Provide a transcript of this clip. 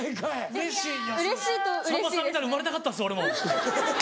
うれしいいやさんまさんみたいに生まれたかったです俺も。